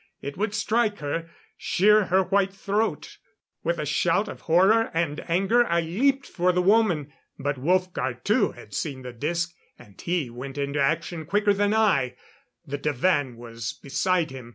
It would strike her ... shear her white throat.... With a shout of horror and anger, I leaped for the woman. But Wolfgar, too, had seen the disc and he went into action quicker than I. The divan was beside him.